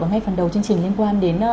ở ngay phần đầu chương trình liên quan đến